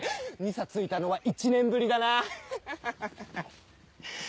２差ついたのは１年ぶりだなハハハ。